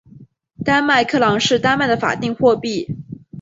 丹麦克朗是丹麦的法定货币。